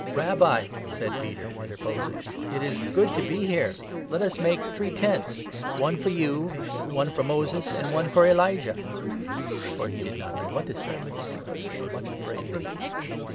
"Rabbi," said Peter, interposing, "it is good to be here; 5 let us make three tents, one for you, one for Moses, and one for Elijah. " For he did not know what to say, because they 6 were much afraid.